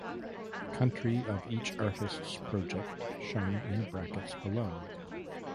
Country of each artists project shown in brackets below.